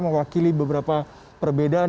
mewakili beberapa perbedaan